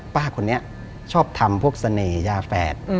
ป้าคนนี้ชอบทำพวกเสน่หยาแฝด